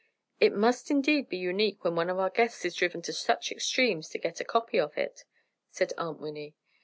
"It must indeed be unique when one of our guests is driven to such extremes to get a copy of it," said Aunt Winnie.